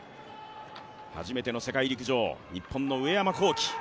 初めての世界陸上日本の上山紘輝。